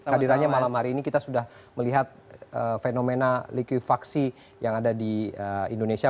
hadirannya malam hari ini kita sudah melihat fenomena likuifaksi yang ada di indonesia